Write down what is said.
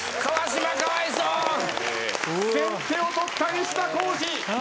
先手を取った西田幸治